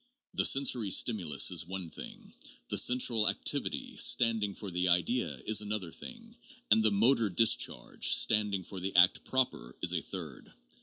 The sensory stimulus is one thing, the central ac tivity, standing for the idea, is another thing, and the motor dis charge, standing for the act proper, is a third.